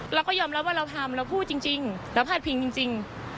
เราก็ยอมรับว่าเราทำเราพูดจริงจริงเราพลาดพิงจริงจริง